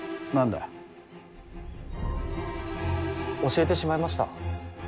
教えてしまいました。